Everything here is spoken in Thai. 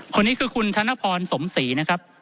คนนี้คือคุณธนพรสมศรีนะครับ